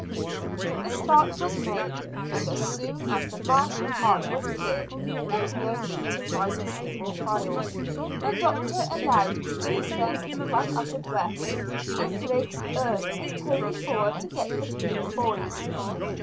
The start was made, and as soon as the marshy part was cleared there was no need to ride in single file. The doctor allowed his two friends to come up abreast, and Griggs urged his pony forward to get between the boys.